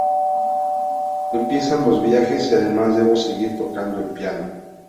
Empiezan los viajes y además debo seguir tocando el piano.